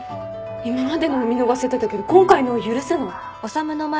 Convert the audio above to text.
今までのは見逃せてたけど今回のは許せない。